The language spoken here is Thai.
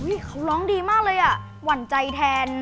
เขาร้องดีมากเลยอ่ะหวั่นใจแทน